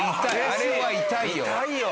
あれは痛いよ。